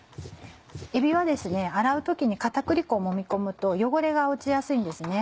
えびは洗う時に片栗粉をもみ込むと汚れが落ちやすいんですね